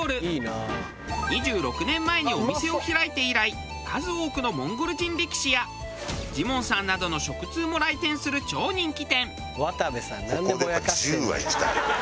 ２６年前にお店を開いて以来数多くのモンゴル人力士やジモンさんなどの「渡部さんなんでぼやかしてるのよ」